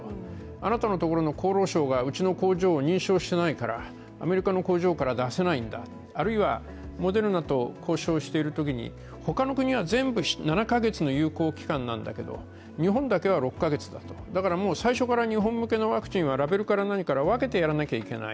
あなたのところの厚労省がうちの工場を認証してないからアメリカの工場から出せないんだ、あるいはモデルナと交渉しているときに他の国は全部７カ月の有効期間なんだけど日本だけは６カ月だと、だから最初から日本向けのワクチンはラベルから何から分けてやらなきゃいけない。